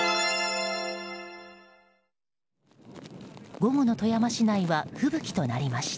午後の富山市内は吹雪となりました。